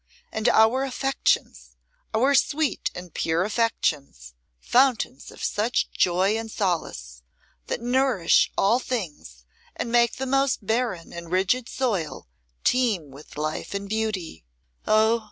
And our affections, our sweet and pure affections, fountains of such joy and solace, that nourish all things, and make the most barren and rigid soil teem with life and beauty, oh!